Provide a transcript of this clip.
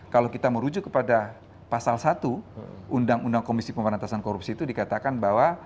kalau kita merujuk kepada pasal satu undang undang komisi pemberantasan korupsi itu dikatakan bahwa